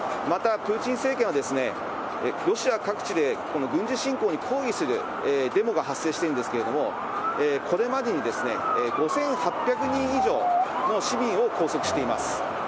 またプーチン政権は、ロシア各地でこの軍事侵攻に抗議するデモが発生しているんですけれども、これまでに５８００人以上の市民を拘束しています。